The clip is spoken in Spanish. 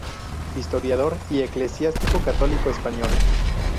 Historiador y eclesiástico católico español.